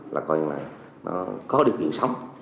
là coi như là nó có điều kiện sống